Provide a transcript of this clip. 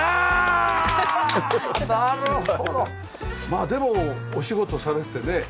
まあでもお仕事されててね